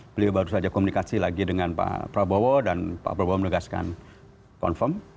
beliau baru saja komunikasi lagi dengan pak prabowo dan pak prabowo menegaskan confirm